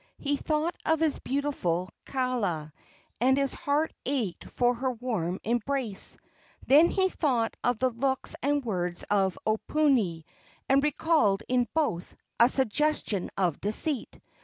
He thought of his beautiful Kaala, and his heart ached for her warm embrace. Then he thought of the looks and words of Oponui, and recalled in both a suggestion of deceit.